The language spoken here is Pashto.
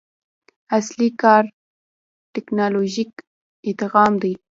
اصلي کار ټکنالوژیک ادغام دی.